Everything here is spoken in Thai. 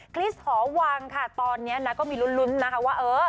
คริสหอวังค่ะตอนนี้นะก็มีลุ้นนะคะว่าเออ